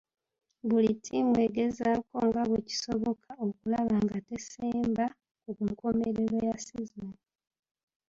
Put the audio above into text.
Buli ttiimu egezaako nga bwe kisoboka okulaba nga tesemba ku nkomerero ya ssizoni.